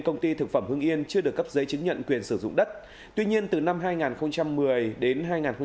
công ty thực phẩm hưng yên chưa được cấp giấy chứng nhận quyền sử dụng đất tuy nhiên từ năm hai nghìn một mươi đến